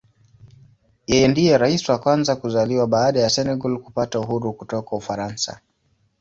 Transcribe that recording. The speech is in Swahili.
Yeye ndiye Rais wa kwanza kuzaliwa baada ya Senegal kupata uhuru kutoka Ufaransa.